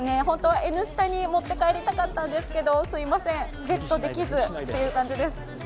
本当は「Ｎスタ」に持って帰りたかったんですけど、すみませんゲットできずという感じです。